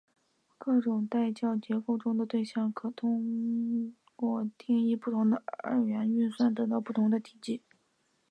各种代数结构中的对象可以通过定义不同的二元运算得到不同的积。